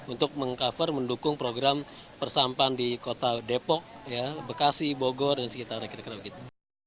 untuk meng cover mendukung program persampan di kota depok bekasi bogor dan sekitar kira kira begitu